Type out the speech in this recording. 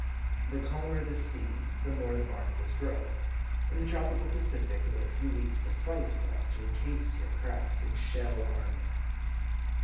The calmer the sea, the more the barnacles grow. In the tropical Pacific, but a few weeks suffice thus to encase your craft in shell armor.